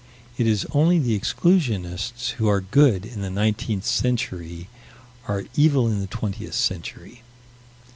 It is only that exclusionists who are good in the nineteenth century are evil in the twentieth century.